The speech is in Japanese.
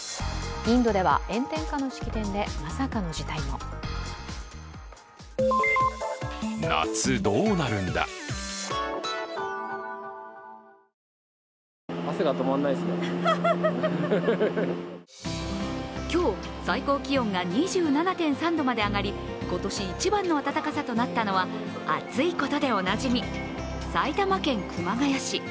インドでは炎天下の式典でまさかの事態も今日、最高気温が２７．３度まで上がり、今年一番の暖かさとなったのは暑いことでおなじみ、埼玉県熊谷市。